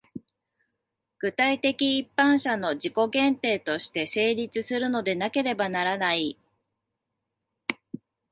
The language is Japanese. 具体的一般者の自己限定として成立するのでなければならない。